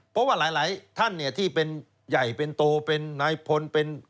เพราะว่าหลายท่านที่เป็นใหญ่เป็นโตเป็นนายพล